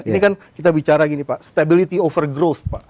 ini kan kita bicara gini pak stability over growth pak